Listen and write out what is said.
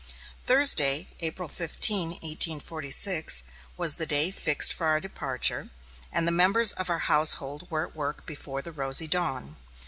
Thursday, April 15, 1846, was the day fixed for our departure, and the members of our household were at work before the rosy dawn.